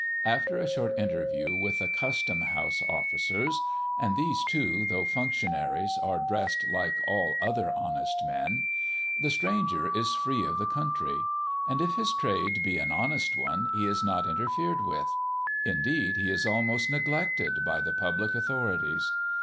After a short interview with the Custom house officers and these, too, though functionaries, are dressed like all other honest men the stranger is free of the country; and if his trade be an honest one, he is not interfered with; indeed, he is almost neglected by the public authorities.